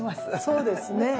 そうですね。